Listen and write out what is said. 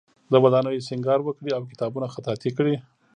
د ودانیو سینګار وکړي او کتابونه خطاطی کړي.